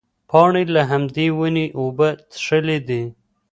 پاڼې له همدې ونې اوبه څښلې دي.